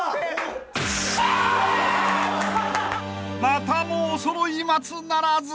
［またもおそろい松ならず！］